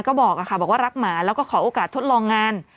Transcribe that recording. ก็บอกว่ารักหมาแล้วก็ขอโอกาสทดลองงาน